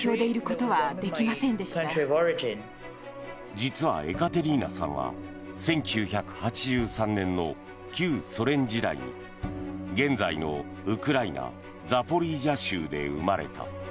実は、エカテリーナさんは１９８３年の旧ソ連時代に現在のウクライナ・ザポリージャ州で生まれた。